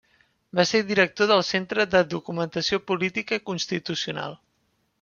Va ser director del Centre de Documentació Política i Constitucional.